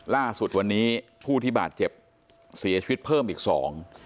ล่าสุดวันนี้ผู้ที่บาดเจ็บเสียชีวิตเพิ่มอีกสอง